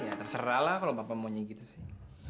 nah ya terserah lah kalau papa monyi gitu sih